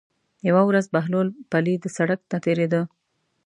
یوه ورځ بهلول پلي د سړک نه تېرېده.